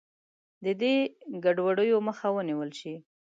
د دې ګډوډیو مخه ونیول شي.